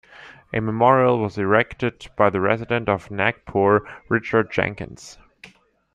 A memorial was erected by the Resident of Nagpur, Richard Jenkins.